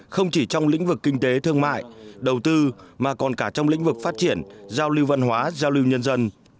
không chỉ trong lĩnh vực kinh tế thương mại đầu tư mà còn cả trong lĩnh vực phát triển giao lưu văn hóa giao lưu nhân dân